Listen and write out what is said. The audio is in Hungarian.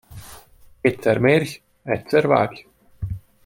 Kétszer mérj, egyszer vágj.